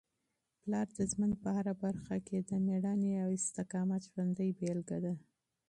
پلار د ژوند په هره برخه کي د مېړانې او استقامت ژوندۍ بېلګه ده.